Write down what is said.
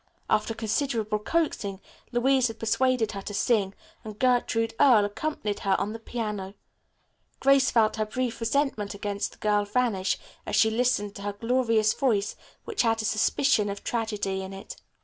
After considerable coaxing Louise had persuaded her to sing, and Gertrude Earle accompanied her on the piano. Grace felt her brief resentment against the girl vanish as she listened to her glorious voice which had a suspicion of tragedy in it.